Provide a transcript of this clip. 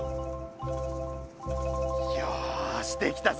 よしできたぞ！